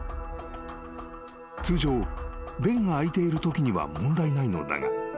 ［通常弁が開いているときには問題ないのだが］